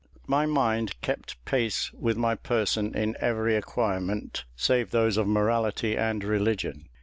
My mind kept pace with my person in every acquirement save those of morality and religion.